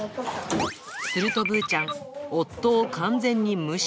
するとぶーちゃん、夫を完全に無視。